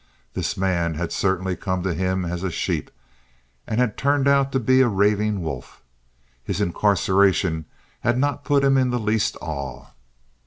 This man had certainly come to him as a sheep, and had turned out to be a ravening wolf. His incarceration had not put him in the least awe.